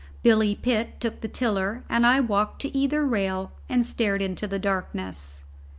Billy Pitt took the tiller and I walked to either rail and stared into the darkness.